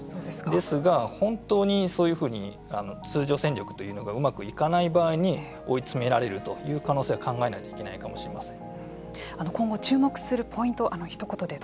ですが、本当にそういうふうに通常戦力というのがうまくいかない場合に追い詰められるという可能性は考えないといけないかもしれません。